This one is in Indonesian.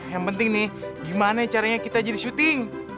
yang penting nih gimana caranya kita jadi syuting